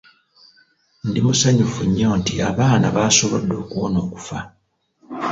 Ndi musanyufu nnyo nti abaana baasobodde okuwona okufa.